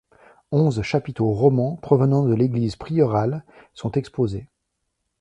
Onze chapiteaux romans provenant de l’église prieurale sont exposés.